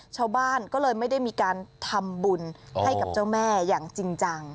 ชาวบ้านก็เลยไม่ได้มีการทำบุญให้กับเจ้าแม่อย่างจริงจัง